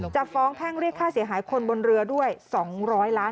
จะฟ้องแพ่งเรียกค่าเสียหายคนบนเรือด้วย๒๐๐ล้าน